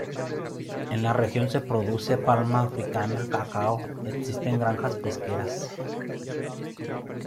En la región se produce palma africana, cacao, existen granjas pesqueras.